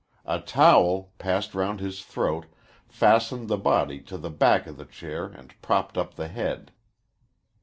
A towel, passed round his throat, fastened the body to the back of the chair and propped up the head.